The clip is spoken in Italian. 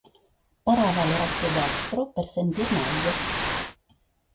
Parava l'orecchio destro per sentir meglio.